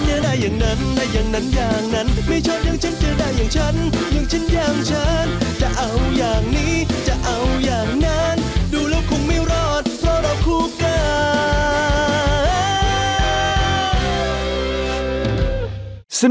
แบบนี้ก็ได้